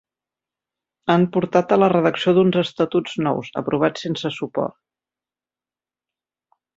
Han portat a la redacció d'uns estatuts nous, aprovats sense suport.